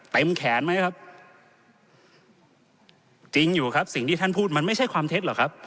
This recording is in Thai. แขนไหมครับจริงอยู่ครับสิ่งที่ท่านพูดมันไม่ใช่ความเท็จหรอกครับ